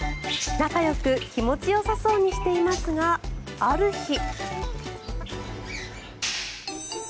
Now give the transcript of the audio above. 仲よく気持ちよさそうにしていますがある日。